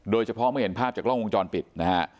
โดยเฉพาะเมื่อเห็นภาพจากกล้องวงจรปิดนะฮะ